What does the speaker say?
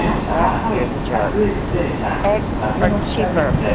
But here's a jerk. "Eggs are cheaper!"